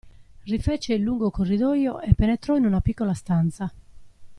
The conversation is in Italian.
Rifece il lungo corridoio e penetrò in una piccola stanza.